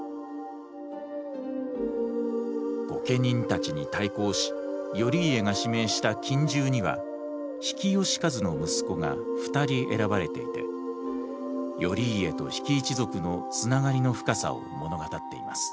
御家人たちに対抗し頼家が指名した近習には比企能員の息子が２人選ばれていて頼家と比企一族の繋がりの深さを物語っています。